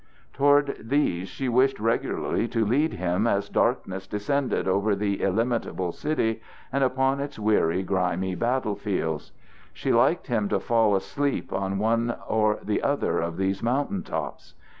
Toward these she wished regularly to lead him as darkness descended over the illimitable city and upon its weary grimy battle fields. She liked him to fall asleep on one or the other of these mountain tops.